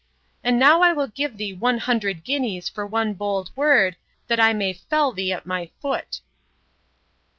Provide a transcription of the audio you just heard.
And now will I give thee one hundred guineas for one bold word, that I may fell thee at my foot!